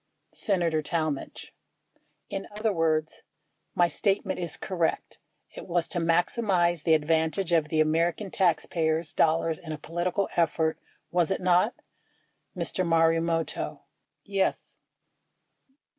Senator Talmadge. In other words, my statement is correct. It was to maximize the advantage of the American taxpayers' dollars in a political effort, was it not ? Mr. Marumoto. Yes.